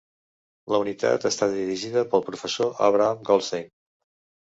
La unitat està dirigida pel Professor Abraham Goldstein.